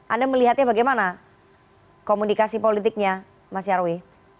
anda melihatnya bagaimana komunikasi politiknya mas nyarwi